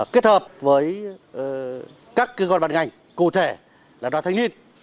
kết hợp với các cơ quan bàn ngành cụ thể là đoàn thanh niên